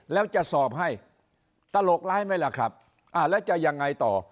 แล้วจะสอบให้ตลกร้ายไหมล่ะครับอ่าแล้วจะยังไงต่อ